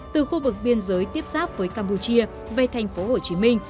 từ khu vực biên giới tiếp xác với campuchia về tp hcm